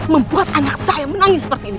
membuat anak saya menangis seperti ini